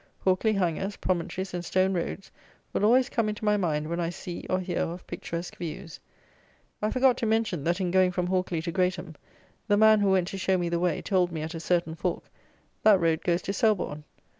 Hawkley hangers, promontories, and stone roads will always come into my mind when I see, or hear of, picturesque views. I forgot to mention, that, in going from Hawkley to Greatham, the man, who went to show me the way, told me at a certain fork, "That road goes to Selborne."